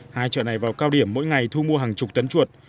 hai chợ này vào cao điểm mỗi ngày thu mua hàng chục tấn chuột